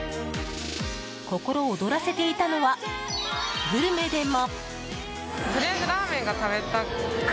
心躍らせていたのはグルメでも。